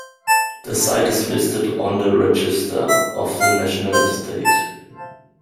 The site is listed on the Register of the National Estate.